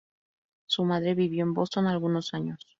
Su madre vivió en Boston algunos años.